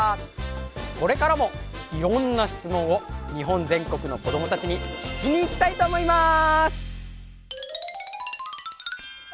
これからもいろんな質問を日本全国の子どもたちに聞きに行きたいと思います！